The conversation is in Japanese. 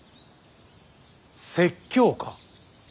説教か。